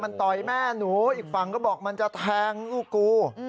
มันต่อยแม่หนูอีกฝั่งก็บอกมันจะแทงลูกกู